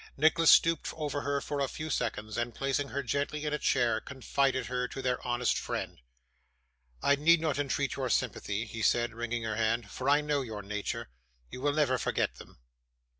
Nicholas stooped over her for a few seconds, and placing her gently in a chair, confided her to their honest friend. 'I need not entreat your sympathy,' he said, wringing her hand, 'for I know your nature. You will never forget them.